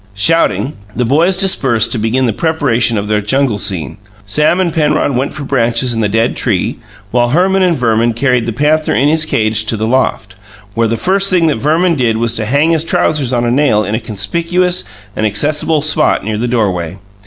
Shouting, the boys dispersed to begin the preparation of their jungle scene. Sam and Penrod went for branches and the dead tree, while Herman and Verman carried the panther in his cage to the loft, where the first thing that Verman did was to hang his trousers on a nail in a conspicuous and accessible spot near the doorway.